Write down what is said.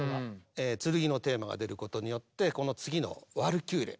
剣のテーマが出ることによってこの次の「ワルキューレ」。